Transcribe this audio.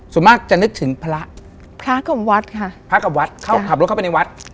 ส่วนมากจะนึกถึงพระพระกับวัดค่ะพระกับวัดเขาขับรถเข้าไปในวัด